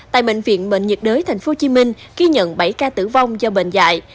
tại bệnh viện bệnh nhiệt đới tp hcm ghi nhận bảy ca tử vong do bệnh dạy